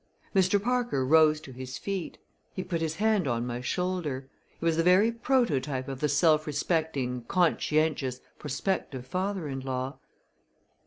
Mr. Parker rose to his feet. He put his hand on my shoulder. He was the very prototype of the self respecting, conscientious, prospective father in law.